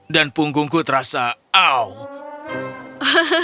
dan punggungku terasa aww